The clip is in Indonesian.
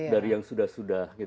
dari yang sudah sudah